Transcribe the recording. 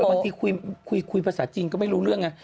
บางทีคุยภาษาจีนก็ไม่รู้เรื่องไง